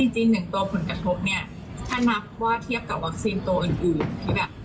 จริงหนึ่งตัวผลกระทบถ้านับว่าเทียบกับวัคซีนตัวอื่น